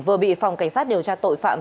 vừa bị phòng cảnh sát điều tra tội phạm